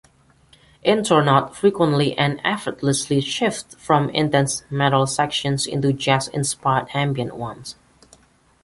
Intronaut frequently and effortlessly shifts from intense metal sections into jazz-inspired ambient ones.